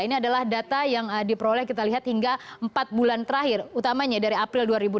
ini adalah data yang diperoleh kita lihat hingga empat bulan terakhir utamanya dari april dua ribu delapan belas